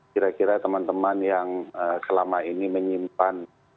kira kira teman teman yang selama ini menyimpan